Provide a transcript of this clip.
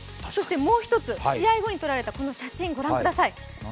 もう一つ、試合後に撮られたこの写真、御覧ください。